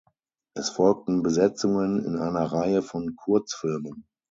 Es folgten Besetzungen in einer Reihe von Kurzfilmen.